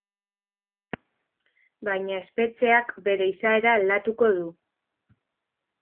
Baina espetxeak bere izaera aldatuko du.